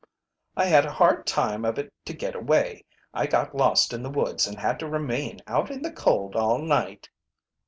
"I had a hard time of it to get away. I got lost in the woods and had to remain out in the cold all night."